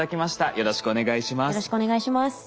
よろしくお願いします。